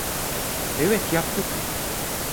Evet, yaptık.